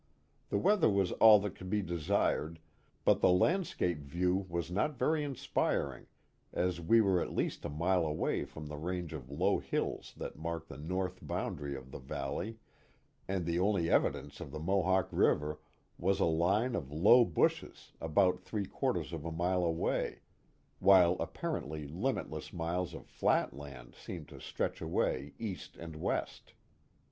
The weather was all that could be desired, but the landscape view was not very inspiring as we were at least a mile away from the range of low hills that mark the north boundary of the valley and the only evidence of the Mohawk River was a line of low bushes about three quarters of a mile away, while apparently limitless miles of flat land seemed to stretch away east and west.